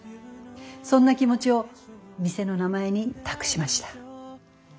そんな気持ちを店の名前に託しました。